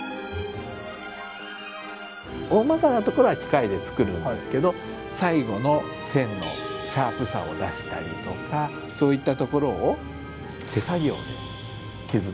大まかなところは機械で造るんですけど最後の線のシャープさを出したりとかそういったところを手作業で削っていくんですね。